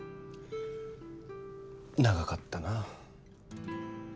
長かったな。